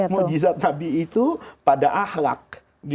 mujizat nabi itu pada ahlak